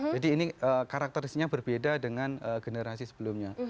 jadi ini karakteristiknya berbeda dengan generasi sebelumnya